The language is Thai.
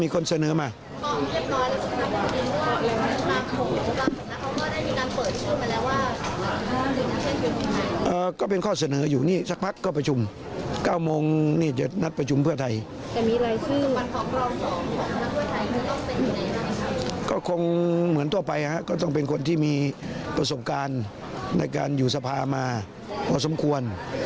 ก็คงทั่วไปก็ต้องเป็นคนที่มีประสบการณ์ในการอยู่สภามาพอสมควร